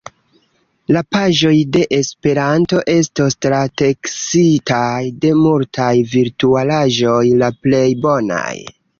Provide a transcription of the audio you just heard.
La paĝoj de Esperanto estos trateksitaj de multaj virtualaĵoj, la plej bonaj.